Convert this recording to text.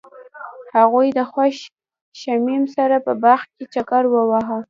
هغوی د خوښ شمیم سره په باغ کې چکر وواهه.